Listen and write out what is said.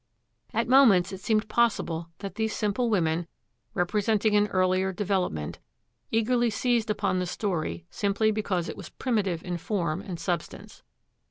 At moments it seemed possible that these simple women, representing an earlier development, eagerly seized upon the story simply because it was primitive in form and substance.